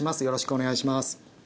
よろしくお願いします。